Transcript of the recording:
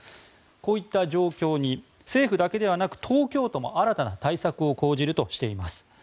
こういった状況に政府だけではなく東京都も新たな対策を講じるとしています。